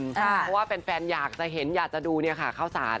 เพราะว่าแฟนอยากจะเห็นอยากจะดูเนี่ยค่ะเข้าสาร